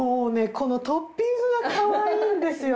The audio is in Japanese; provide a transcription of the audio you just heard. このトッピングがかわいいんですよ。